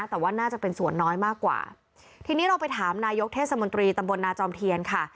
แต่ว่าน่าจะเป็นส่วนน้อยมากกว่าทีนี้เราไปถามนายกเทศมนตรีตำบลนาจอมเทียนค่ะ